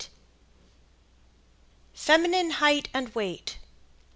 FEMININE HEIGHT AND WEIGHT.